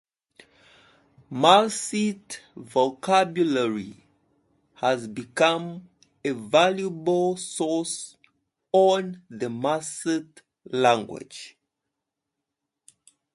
"Maliseet Vocabulary" has become a valuable source on the Maliseet language.